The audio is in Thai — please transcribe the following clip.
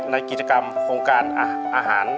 ในกิจกรรมโครงการอาหาร